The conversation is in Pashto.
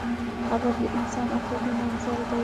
قبر د انسان اخري منزل دئ.